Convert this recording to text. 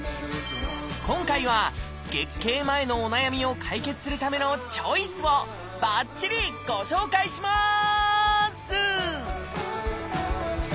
今回は月経前のお悩みを解決するためのチョイスをばっちりご紹介します！